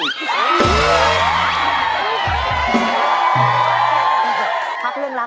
สวัสดีครับ